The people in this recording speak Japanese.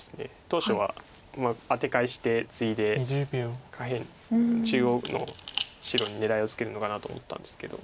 当初はアテ返してツイで下辺中央の白に狙いをつけるのかなと思ったんですけど。